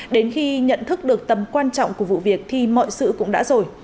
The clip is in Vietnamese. đến khi nhận thức được tầm quan trọng của vụ việc thì mọi sự cũng đã rồi